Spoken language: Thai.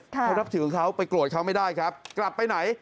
เขานับถือเขาไปโกรธเขาไม่ได้ครับกลับไปไหน